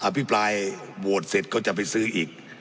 ภิปรายโหวตเสร็จก็จะไปซื้ออีก